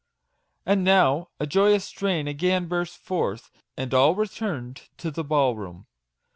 And now a joyous strain again burst forth, and all returned to the ball room.